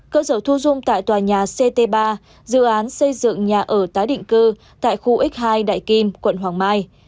cơ sở thu dung tại tòa nhà ct ba dự án xây dựng nhà ở tái định cư tại khu x hai đại kim quận hoàng mai